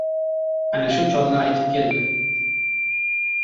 Ana shu cholni aytib keldi.